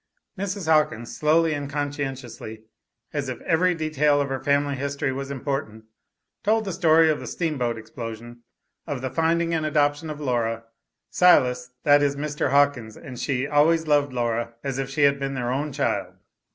Mrs. Hawkins slowly and conscientiously, as if every detail of her family history was important, told the story of the steamboat explosion, of the finding and adoption of Laura. Silas, that is Mr. Hawkins, and she always loved Laura, as if she had been their own child.